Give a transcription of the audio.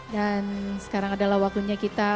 dan sekarang adalah waktunya kita